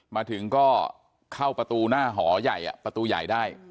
มาถึงก็เข้าประตูหน้าหอใหญ่ประตูใหญ่ได้